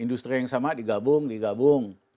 industri yang sama digabung digabung